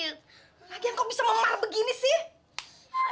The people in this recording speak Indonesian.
lagian kok bisa memar begini sih ya